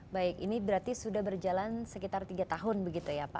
baik ini berarti sudah berjalan sekitar tiga tahun begitu ya pak